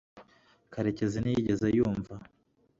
karekezi ntiyigeze yumva